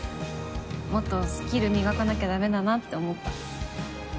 もっとスキル磨かなきゃだめだなって思った。